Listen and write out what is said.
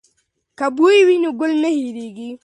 که بوی وي نو ګل نه هیرېږي.